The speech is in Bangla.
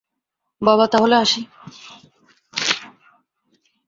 বাবা, তা হলে আসি।